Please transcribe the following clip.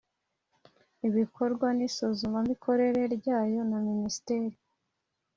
ibikorwa n isuzumamikorere ryayo na Minisiteri